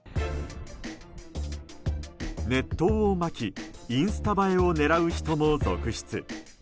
熱湯をまきインスタ映えを狙う人も続出。